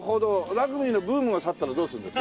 ラグビーのブームが去ったらどうするんです？